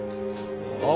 ああ！